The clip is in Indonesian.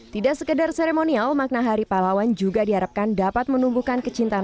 tidak sekedar seremonial makna hari pahlawan juga diharapkan dapat menumbuhkan kecintaan